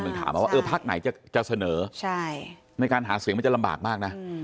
ถามมาว่าพักไหนจะเสนอในการหาเสียงมันจะลำบากมากนะ